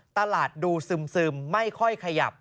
ตลาดดูซึมไม่ค่อยขยับ